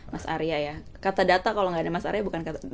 mas arya ya kata data kalau nggak ada mas arya bukan kata